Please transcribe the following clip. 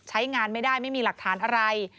ใช้งานไม่ได้ไม่มีหลักฐานอะไร